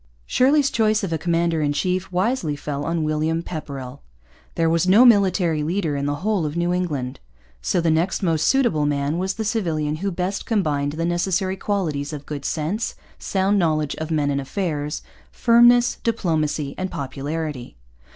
Shirley's choice of a commander in chief wisely fell on William Pepperrell. There was no military leader in the whole of New England. So the next most suitable man was the civilian who best combined the necessary qualities of good sense, sound knowledge of men and affairs, firmness, diplomacy, and popularity.